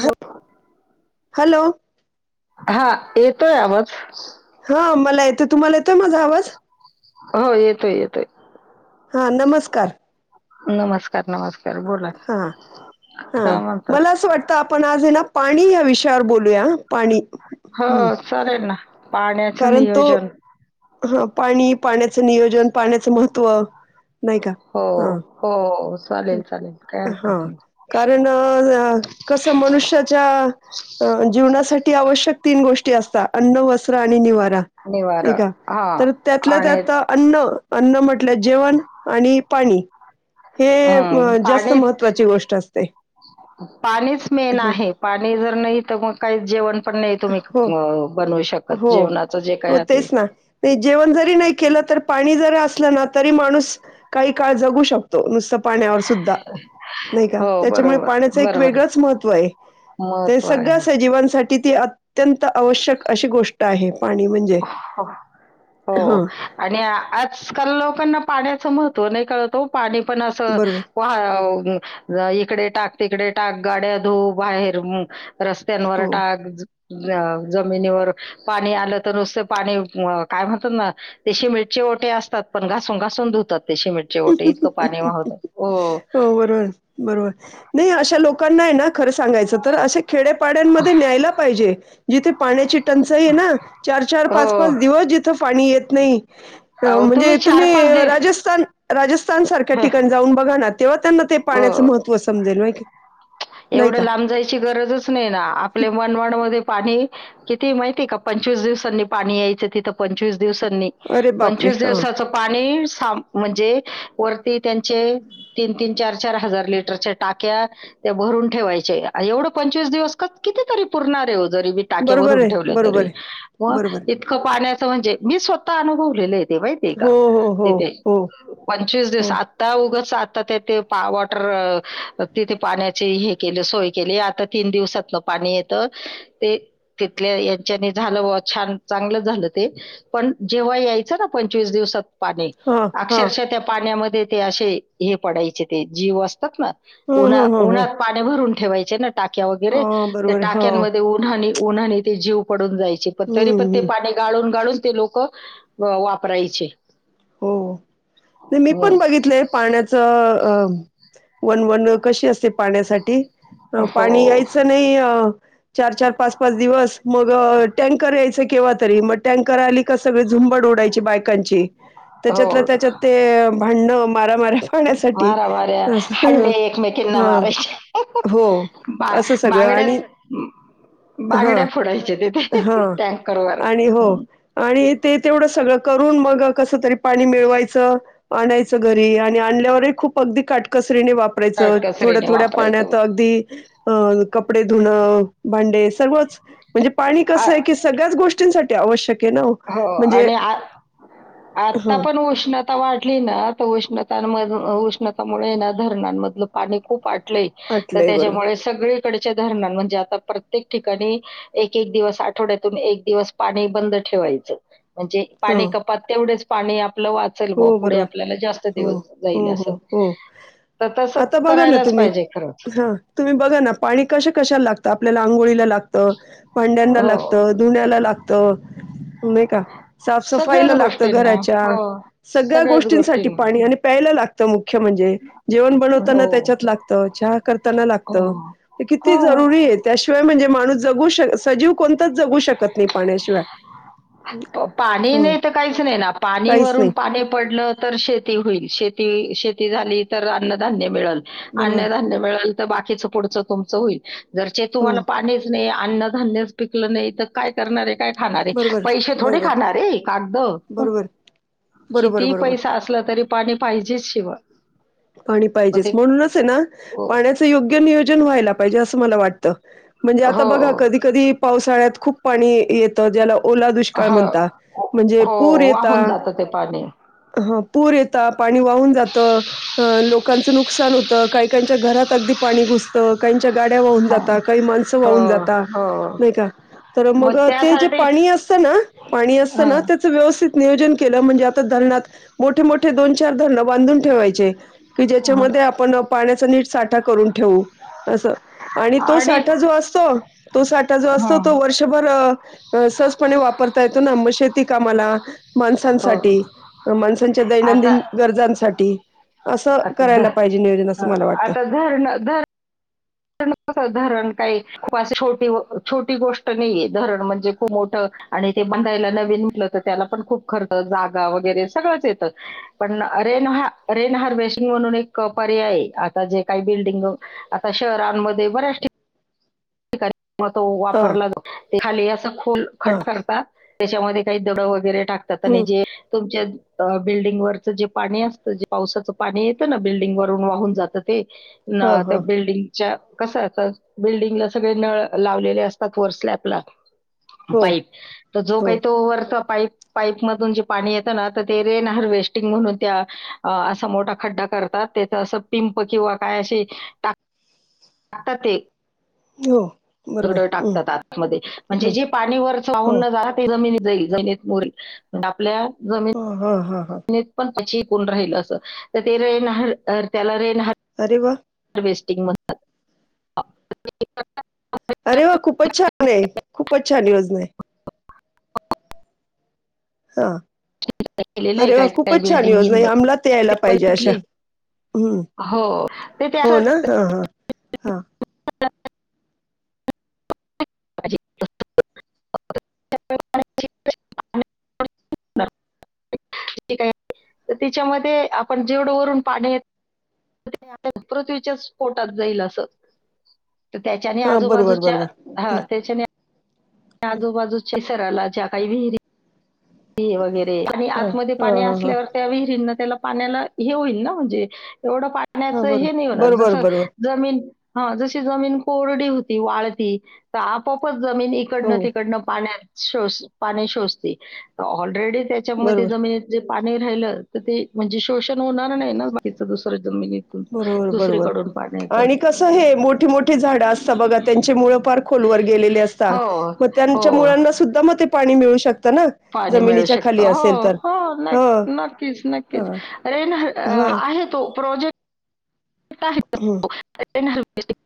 ह हॅलो! हा येतोय आवाज. हा मला येतं तुम्हाला येतोय माझा आवाज. हो येतोय येतोय. हा, नमस्कार. नमस्कार, नमस्कार बोला हा काय म्हणतात? तर आज आपण आज ना पाणी या विषयावर बोलूया पाणी. हो हं चालेल ना पाण्याचं कारण तो नियोजन. हा पाणी पाण्याचं नियोजन पाण्याचं महत्त्व नाही का? हो हा हो चालेल चालेल काय हा हरकत नाही कारण अ. कसं मनुष्याच्या अ जीवनासाठी आवश्यक तीन गोष्टी असता अन्न, वस्त्र आणि निवार. निवारा हा तर त्यातल्या आणि त्यात अन्न अन्न म्हटलं जेवण आणि पाणी. हे हं, जास्त पाणी महत्त्वाची गोष्ट असते. पाणीच मेन हं. आहे पाणी जर नाही तरग काही जेवण पण नाही तुम्ही हो, अ बनवू शकतं. हो, हो तेच ना नाय जेवणं जरी नाय केलं तर पाणी जरी असलं ना तरी माणूस काही काळ जगू शकतो नुसतं पाण्यावर सुद्धा. नाही का हो त्याच्यामुळे बरोबर पाण्याच एक बरोबर वेगळंच महत्त्व आहे ते महत्व सगळं आहे सजीवांसाठ- किती अत्यंत आवश्यक अशी गोष्ट आहे पाणी म्हणजे हो हो ह आणि आजकाल लोकांना पाण्याचं महत्त्व नाही कळत ओ पाणी पण असं बरोबर. वाहून इकडे टाक तिकडे टाक गाड्या धुऊ बाहेर रस्त्यांवर हो. टाक अ जमिनीवर पाणी आलं तर नुसत पाणी काय म्हणतात ना ते सिमेंट चे ओटे असतात पण घासून घासून धुतात ते सिमेंट. चे ओटे इतकं पाणी वाहतात ओ. हो बरोबर, बरोबर नाही अशा लोकांना हाय ना खरं सांगायचं तर असे खेडेपाड्यांमध्ये न्यायला पाहिजे. जिथे पाण्याची टंचाई ये ना चार चार हो. पाच पाच दिवस जिथं पाणी येत नाही. अ म्हणजे तुम्ही दिव राजस्थान राजस्थान सारख्या ठिकाणी जाऊन बघा ना तेव्हा त्यांना ते पाण्याचं हो. महत्त्व समजेल नाय का नाही एवढं का? लांब जायची गरजच नाही ना आपले मनमाड मध्ये पाणी किती माहिती ये का पंचवीस दिवसांनी पाणी यायचं तिथं पंचवीस दिवसांनी. अरे बापरे! पंचवीस हां. दिवसाच पाणी सा म्हणजे वरती त्यांचे तीन तीन चार चार हजार लिटरच्या टाक्या त्या भरून ठेवायचे एवढं पंचवीस दिवस क कितीतरी पुरणार आहे जरी बी टाक्या बरोबर भरून आहे, ठेवल्या बरोबर तरी आहे, मग बरोबर. इतकं पाण्याचं म्हणजे मी स्वतः अनुभवलेलं ये ते माहितीये हो हो हो हो. पंचवीस दिवस हो. आता उगच आता ते ते पा वॉटर तिथे पाण्याची हे केलं सोय केली आता तीन दिवसातनं पाणी येत ते तिथल्या यांच्यानी झालं बुआ छान चांगलं झालं ते. पण जेव्हा यायचं ना पंचवीस दिवसात पाणी हां, हां. अक्षरशः त्या पाण्यामध्ये ते असे हे पडायचे ते जीव असतात ना हं, उन्हा हं, हं, हं. उन्हात पाण्या भरून ठेवायचे ना टाक्या वगैरे हां, त्या बरोबर आहे. हो. टाक्यांमध्ये ऊन उन्हानी उन्हानी ते जीव पडून जायचे पण तरी पण हं, ते हं. पाणी गाळून गाळून ते लोक व वापरायचे. हो नाय मी हम्म. पण बघितलेत पाण्याचं अ वन वन कशी असते पाण्यासाठ ठी पाणी हो यायचं नाही अ चार चार पाच पाच दिवस मग टँकर यायचं केव्हा तरी मग टँकर आली का सगळ झुंबड उडायची बायकांची त्याच्यात हो त्याच्यात ते भांडण मारा माऱ्या मारा माऱ्या हंडे एकमेकांना हां, मारायचे हो. असं सगळं आणि बा-बांगड्याच हां, बांगड्या फोडायच्या तेथे हां. टँकर वर आणि हो हम्म. आणि ते तेवढं सगळं करून मग कसं तरी पाणी मिळवायचं आणायचं घरी आणि आणल्यावरही खूप अगदी काटकसरीने वाप वापरायचा काटकसरीने थोड्या-थोड्या पाण्यात वापरायचं अगदी अ कपडे धुणं भांडे सर्वच म्हणजे पाणी आ- कसं आहे की स सगळ्याच गोष्टींसाठी आवश्यक आहे हो ना म्हणजे आणि आ- आता ह पण उष्ण ता वाढली ना आता उष्णता न मध उष्णतामुळे ना धरणांमधलं पाणी खूप वाटलंय. तर आटलंय बरोबर त्याच्यामुळे सगळीकडच्या धरणान म्हणजे आता प्रत्येक ठिकाणी एक-एक दिवस आठवड्यातून एक दिवस पाणी बंद ठेवायच म्हणजे ह पाणी कपात तेवढेच पाणी आपलं वा चेल व हो पुढे बरोबर आपल्याला जास्त दिवस हो जाईल हो हो असं. हो तर तसं आता बघा ना करायलाच तुम्ही पाहिजे खरच. हा तुम्ही बघा ना पाणी कशा-कशाला लागतं आपल्याला आंघोळीला लागतं भांड्यांना हो. लागतं धुण्याला लागतं नाही का सगळ्याच साफसफाईला लागत गोष्टींना. घराच्या हो. सगळ्या सगळ्याच गोष्टींसाठी गोष्टींना. पाणी आणि प्यायला लागतं मुख्य म्हणजे जेवण बनवताना हो. त्याच्यात लागतं, चहा करताना हो. लागतं किती हो. जरुरी हे त्याशिवाय म्हणजे माणूस जगू शक सजीव कोणताच जगू शकत नाही पाण्याशिवाय. पाणी ह नाही तर काहीच नाही ना पाणी काहीच वरून नाही पाणी पडलं तर शेती होईल शेती-शेती झाली तर अन्नधान्य मिळल बरोबर अन्नधान्य मिळल तर बाकीच पुढचं तुमचं होईल जर हो तुम्हाला पाणीच नाही अन्नधान्यच पिकलं नाही तर काय करणारे, काय खाणारे बरोबर पैशे थोडी बरोबर खाणार आहे कागदं बरोबर बरोबर किती बरोबर पैसा असलं तरी पाणी पाहिजे शिवा. पाणी पाहिजेच म्हणूनच आहे ना हो पाण्याचं योग्य नियोजन व्हायला पाहिजे असं मला वाटतं. म्हणजे आता हो बघा कधी-कधी पावसाळ्यात खूप पाणी येतं ज्याला ओला दुष्काळ हो म्हणता म्हणजे हो, पूर येता वाहून जातं ते पाणी हा पूर येेता पाणी वाहून जातं हा लोकांचं नुकसान होतं काहीकांच्या घरात अगदी पाणी घुस तं काहींच्या गाड्या वाहून हा, जाता, काही माणसं हो वाहून जाता हो नाही का तर मग ते जे पाणी असतं ना पाणी असतं हा, ना ते चा व्यवस्थित नियोजन केलं म्हणजे आता धरणात मोठे मोठे दोन चार धरणं बांधून ठेवायचे कि हा. ज्याच्यामध्ये आपण पाण्याचा नीट साठा करून ठेवू असं आणि तो साठा जो असतो तो साठा जो असतो हं, तो वर्ष भर अ सहजपणे वापरता येतो ना शेती कामाला हो माणसांसाठी माणसांच्या दैनंदिन गरजांसाठी. असं आता-ता करायला पाहिजे नियोजन असं मला वाटतं आता धरणं-धरणं [unintelligible] धरण काही खूप अशी छोटी व छोटी गोष्ट नाहीये धरण म्हणजे खूप मोठं आणि ते बनधयला नवीन म्हटलं तर त्याला पण खूप खर्च जागा वगैरे सगळंच येतं. पण अरे नहा अरे नहार वैष्णो म्हणून एक पर्याय आता जे काही बिल्डिंग आता शहरांम मध्ये बराच ठि-ठिकाणी म तो हा वापरला जा [inaudible] खाली असं खोल हा खट करतात त्याच्यामध्ये काही दडं वगैरे टाकतात आणि हम्म जे तुमच्या अ बिल्डिंग वरचं जे पाणी असतं जे पावसाचं पाणी येतं ना बिल्डिंग वरून वाहून जातं ते हा ना त्या हा बिल्डिंगच्या. कस आता बिल्डिंगला सगळे नळ लावलेले असतात वर स्लॅब ला. हो पाईप तर जो हो काही तो वरचा पाईप पाईपमधून जे पाणी येतं ना तर ते रेन हारवेस्टिंग म्हणून त्या असा मोठा खड्डा करतात. ते असं पिंप किंवा काय असे टाक टाकतात ते. हो बरोबर दगड हम्म टाकतात आतमध्ये म्हणजे ह जे पाणी वरच हो वावून न जात [unintelligible] आपल्या जमी ह हा हा हा ते पण [unintelligible] राहिलं अस [unintelligible] अरे वा! ह्वेस्टिंग म्हणतात. अरे वा! खूपच छान आहे, खूपच छान योजना आहे. हा. केलेलं आहे अरे वा! काही काही खूपच छान योजना बिल्डिंग आहे. अमलात यायला पाहिजे अशा. बघितले हम्म. हो ते ते असं होना हा हा हा. पाहिजे. किती काय [unintelligible] तिच्यामध्ये आपण जेवढं वरून पाणी [unintelligible] पृथ्वीच्या पोटात जाईल असं. तर त्याच्याने हा बरोबर आजूबाजूच्या बरोबर ह त्याच्याने आजूबाजूच्या सरला ज्या काही विहिरी त वगैरे आणि हा आतमध्ये हा पाणी हा हा असल्यावर त्या विहिरींना त्याला पाण्याला हे होईल ना म्हणजे एवढं हा पाण्याचं बरोबर हे नाही होणार जस बरोबर बरोबर जमीन हा जशी जमीन कोरडी होती वाळती तर आपापच जमीन एक हो इकडनं पाण्यात शोष -पाणी शोषते. ऑलरेडी त्याच्यामध्ये बरोबर जमीन जे पाणी राहिलं, तर ते म्हणजे शोषण होणार नाही ना बाकीच दुसरं जमिनी बरोबर बरोबर. आणि कसं हे मोठी मोठी झाडं असतात बघा त्यांचे मुळ पार खोलवर गेलेले असतात हो, मग त्यांच्या हो. मुलांना सुद्धा मग ते पाणी मिळू शकत ना. पाणी मिळू जमिनीच्या शकत खाली असेल हो तर हो. नाही. ह नक्कीच नक्कीच. ह रेन ह आहे तो प्रोजेक्ट. [unintelligible]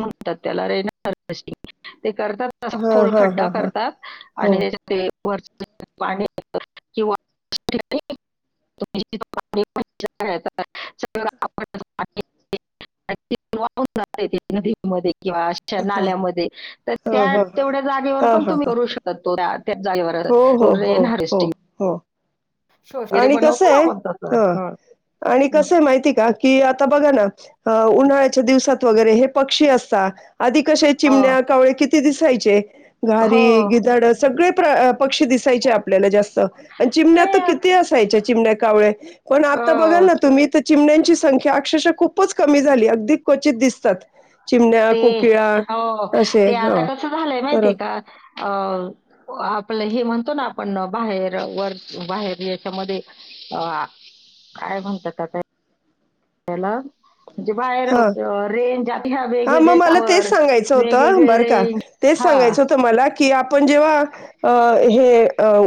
म्हणतात त्याला रेनहर्बासटिंग ते करतात. ह ह ह खोलखड्डा ह ह करतात हो आणि ते वर [unintelligible] पाणी किंवा [unintelligible] पीक वाहून जाते ते नदीमध्ये किंवा असे अच्छा ह ह नाल्यामध्ये तर त्या ह तेवढ्या जागेवर ह पण ह तुम्ही ह करू शकतो. त्यात त्याच जागेवर हो हो हो रेन हो हार्वेस्टिंग. हो शो वगैरे आणि कस बनवतो ना आहे आपण तसं. ह हा. आणि कसं आहे माहिती का? कि आता बघा ना, उन्हाळ्याच्या दिवसात वगैरे हे पक्षी असतात आधी कसे अ, चिमण्या, कावळे किती दिसायचे. घारी, हो. गिधाड सगळे पक्षी दिसायचे आपल्याला जास्त आणि चिमण्या नाही तर की आत- किती असायच्या चिमड्या, कावळे. पण आता बघाल ना अ, तुम्ही चिमण्यांची संख्या अक्षरशा खूपच कमी झाली अगदी क्वचित दिसतात. चिमण्या, ते कोकिळा हो. असे. ते आता हां, कसं झालंय तर माहितीय का? अ आपलं हे म्हणतो ना आपण बाहेर वर बाहेर याच्यामध्ये अ काय म्हणतातता? हॅलो? म्हणजे बाहेर हां. रेंज आता ह्या हा मग वेगवेगळे मला तेच टावर सांगायचं होतं वेगवेगळे बरं का रेंज तेच हा सांगायचं होत मला कि आपण जेव्हा अ हे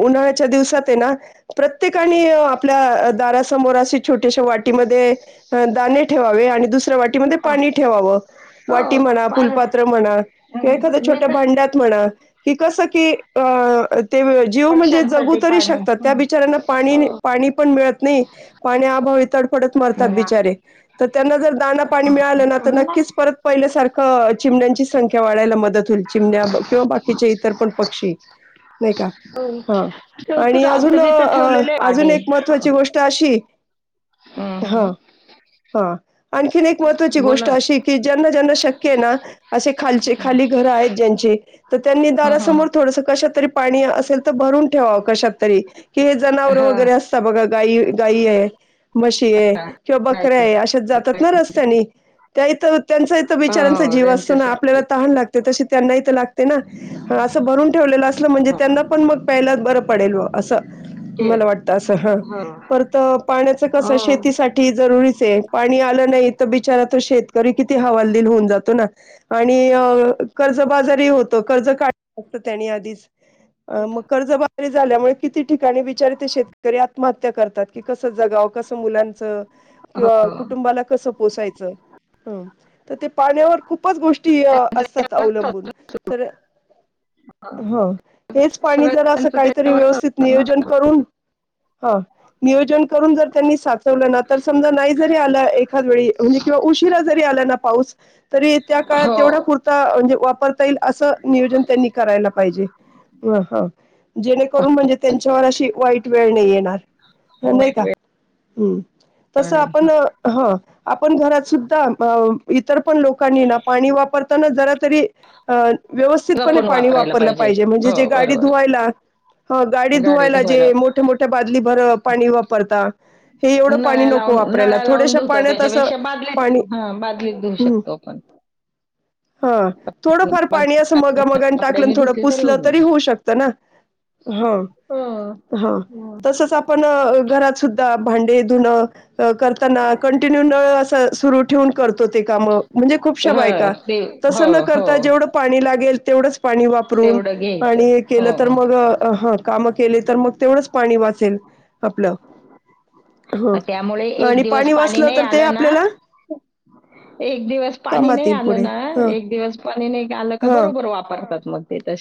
उन्हाळ्याच्या दिवसात आहे ना प्रत्येकाने आपल्या दारासमोर अशी छोट्याशा वाटीमध्ये दाणे ठेवावे आणि दुसऱ्या वाटीमध्ये हा. पाणी ठेवावं. हो वाटी म्हणा माझं फुलपात्र म्हणा किंवा हं, एखाद्या मी छोट्या तर भांड्यात म्हणा. ते कसं कि अ ते जीव म्हणजे जगू पक्ष्यांसाठी तरी पाणी शकतात त्या हं, बिचारांना पाणी हो. पाणी पण मिळत नाही. पाण्या अभावी तडफडत मरतात नाही, बिचारे तर त्यांना जर दाना पाणी मिळालं ना तर नक्कीच परत पहिल्यासारखं चिमड्यांची संख्या वाढायला मध्ये चिमण्या किंवा बाकीच्या इतर पण पक्षी नाही का हो. ह ठेवतो आणि आम्ही अजून मी तर ठेवलेले अजून पाणी एक म महत्वाची गोष्ट अशी हं, हा हं. हा आणखीन एक महत्त्वाची बोला गोष्ट ना अशी की ज्यांना ज्यांना शक्य आहे ना असे खालचे खाली घरं आहेत ज्यांचे तर त्यांनी हं, हं. दारासमोर थोडस कशात तरी पाणी असेल तर भरून ठेवा कशात तरी कि हे जनावर हं, वगैरे अस आता बघा गाय गाय म्हशी किं नाही. बकरीअशाच जातात रस्त्यानी त्यां बचारचा हो जीव असतो ना त्यांच्यासाठी आपल्याला तहाण लागते तशी त्यांनाही ते ना असं भरून ठेवलेलं असलं म्हणजे त्यांना पण मग पहिल्याच बरं पडेल असं. ते, मला वाटतं असं हा हो परत पाण्याच हो कसं शेतीसाठी जरुरीच आहे पाणी आलं नाही तर बिचारा तर शेतकरी किती हवालदिल होऊन जातो ना आणि कर्ज बाजारी होतो कर्ज काढाला लागत त्यानी आधीच मग कर्जबारी झाल्यामुळे किती ठिकाणी विचार ते शेतकरी आत्महत्या करतात. कि कसं जगाव कसं मुलांचं हो किंवा म्हणजे कुटुंबाला कसं पोसायचं. हम्म तर ते पाण्यावर खूपच गोष्टी असतात त्याच्यावरच अवलंबून तर असतं. ह हेच पाणी जरा असं सगळ्यांचं काही त्याच्यावरच व्यवस्थित असतं ना नियोजन करून हा नियोजन करून जर त्यांनी साचवलं ना तर समजा नाही जरी आला एखाद वेळी म्हणजे किंवा उशिरा जरी आला ना पाऊस तरी त्या काळात हो तेवढा पुरता म्हणजे वापरता येईल असं नियोजन त्यांनी करायला पाहिजे. ह हा जेणेकरून म्हणजे त्यांच्यावर अशी वाईट वेळ नाही येणार. नाही वाईट का हम्म वेळ तसं नाही आपण हा आपण घरात सुद्धा इतर पण लोकांनी ना पाणी वापरताना जरा तरी अ व्यवस्थितपणे जपून पाणी वापरायला वापरलं पाहिजे म्हणजे हो जे गाडी बरोबर धुवायला हा गाडी धुवायला जे मोठ्या मोठ्या बादली भर पाणी वापरता हे एवढं पाणी नळ्या नको लावून वापरायला नळ्या लावून थोड्याशा धुता पाण्यात असं त्याच्यापेक्षा बादलीत पाणी हा बादलीत घेऊ हम्म शकतो आपण. हा थोडंफार बादली पाणी असं मगा मगने टाकलं कपड्याने थोडं धुतली पुसलं होऊन तरी होऊ शकतं ना. हा जातं हा हो तसच आपण पण घरात सुद्धा भांडे धुणं करताना कंटिन्यू नळ असं सुरू ठेवून करतो ते काम म्हणजे खूपशा बायका ते हो तसं न करता हो जेवढं पाणी लागेल तेवढंच पाणी वापरून तेवढं घ्यायचं आणि केलं तर हो मग हा काम केले तर मग तेवढंच पाणी वाचेल आपलं. ह त्यामुळे एक आणि दिवस पाणी वाचलं नाही तर ते आलं ना आपल्याला एक दिवस पाणी कामात नाही येईल आलं पुढे ना ह एक दिवस पाणी नाही आलं का ह बरोबर वापरतात मग त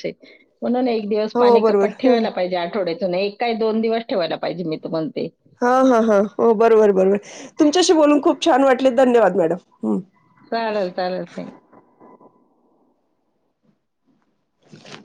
म्हणून एक दिवस हो पाणी बरोबर कपट ह ठेवायला पाहिजे आठवड्यात त्यांना एक काही दोन दिवस ठेवायला पाहिजे मी तर म्हणते हा हा हा हो बरोबर बरोबर तुमच्याशी बोलून खूप छान वाटले धन्यवाद मॅडम चालेल चालेल हम्